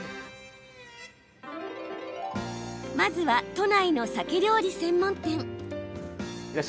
まずは、都内のサケ料理専門店。